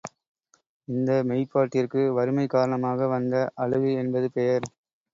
இந்த மெய்ப்பாட்டிற்கு, வறுமை காரணமாக வந்த அழுகை என்பது பெயர்.